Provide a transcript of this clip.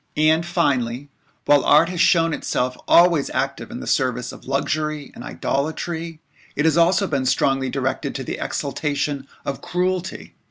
And finally, while art has thus shown itself always active in the service of luxury and idolatry, it has also been strongly directed to the exaltation of cruelty.